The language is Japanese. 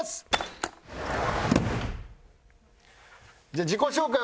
じゃあ自己紹介